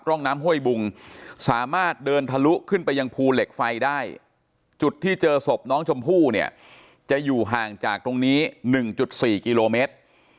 ร่องน้ำห้วยบุงสามารถเดินทะลุขึ้นไปยังภูเหล็กไฟได้จุดที่เจอศพน้องชมพู่เนี่ยจะอยู่ห่างจากตรงนี้๑๔กิโลเมตร